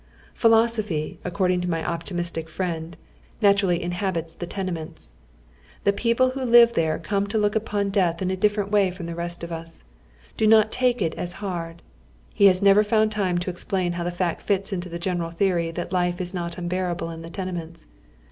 Philosophj', according to my optimistic friend, naturally inhabits the tenements. The people who live there come to look npon death in a different way from the rest of us — do not take it as hard. lie has never found time to explain haw the fact fits into his general theory that life is not nnbeai'able in the tene ments.